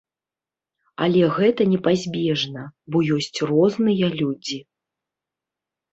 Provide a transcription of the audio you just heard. Але гэта непазбежна, бо ёсць розныя людзі.